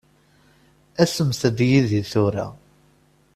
Asemt-d yid-i tura.